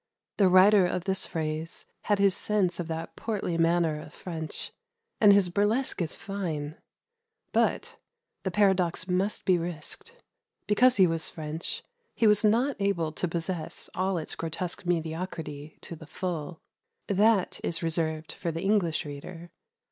The writer of this phrase had his sense of that portly manner of French, and his burlesque is fine; but the paradox must be risked because he was French he was not able to possess all its grotesque mediocrity to the full; that is reserved for the English reader.